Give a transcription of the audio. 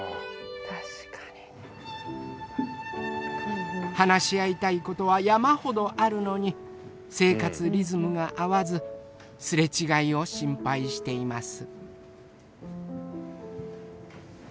確かに。話し合いたいことは山ほどあるのに生活リズムが合わず擦れ違いを心配しています。